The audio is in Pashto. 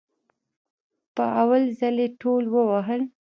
په اول ځل يي ټول ووهل